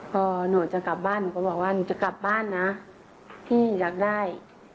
พอหนูจะกลับบ้านหนูก็บอกว่าหนูจะกลับบ้านนะพี่อยากได้